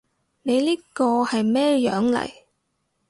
你呢個係咩樣嚟？